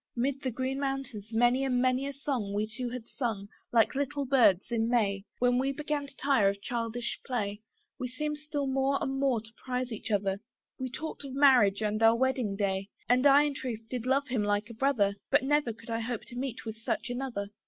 'Mid the green mountains many and many a song We two had sung, like little birds in May. When we began to tire of childish play We seemed still more and more to prize each other: We talked of marriage and our marriage day; And I in truth did love him like a brother, For never could I hope to meet with such another.